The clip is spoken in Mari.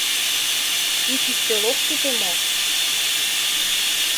— Ик ӱстел ок сите мо?